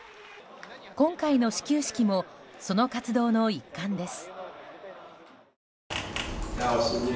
今回の始球式もその活動の一環です。